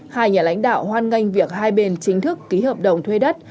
hai nhà lãnh đạo hoan nghênh việc hai bên chính thức ký hợp đồng thuê đất